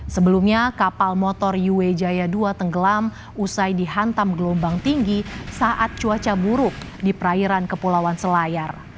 sebelumnya kapal motor yuwe jaya dua tenggelam usai dihantam gelombang tinggi saat cuaca buruk di perairan kepulauan selayar